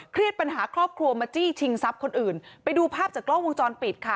ปัญหาครอบครัวมาจี้ชิงทรัพย์คนอื่นไปดูภาพจากกล้องวงจรปิดค่ะ